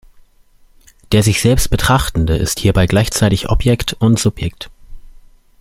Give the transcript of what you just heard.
Der sich selbst Betrachtende ist hierbei gleichzeitig Objekt und Subjekt.